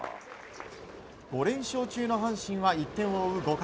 ５連勝中の阪神は１点を追う５回。